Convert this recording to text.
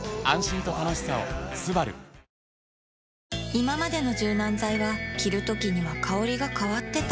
いままでの柔軟剤は着るときには香りが変わってた